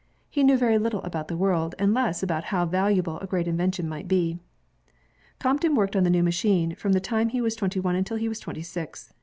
He knew very little about the world, and less about how valuable a great invention might be. Crompton worked on the new machine from the time he was twenty one until he was twenty six.